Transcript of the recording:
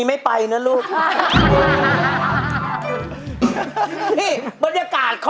อยากเป็นแกล้งหอย